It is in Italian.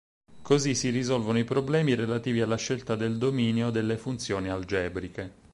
Così si risolvono i problemi relativi alla scelta del dominio delle funzioni algebriche.